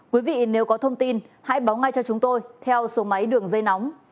quý vị nếu có thông tin hãy báo ngay cho chúng tôi theo số máy đường dây nóng